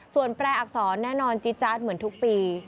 ส่วนแปลอักษรแน่นอนจี๊จาดเหมือนทุกปี